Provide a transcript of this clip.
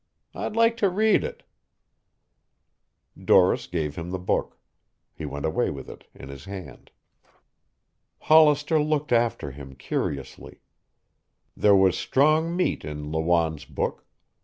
I'd like to read it." Doris gave him the book. He went away with it in his hand. Hollister looked after him curiously. There was strong meat in Lawanne's book.